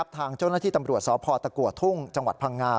ทางเจ้าหน้าที่ตำรวจสพตะกัวทุ่งจังหวัดพังงา